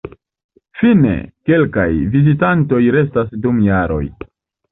Fine, kelkaj "vizitantoj" restas dum jaroj.